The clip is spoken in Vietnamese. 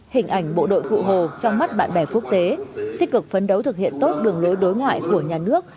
hình ảnh bộ đội cụ hồ trong mắt bạn bè quốc tế tích cực phấn đấu thực hiện tốt đường lối đối ngoại của nhà nước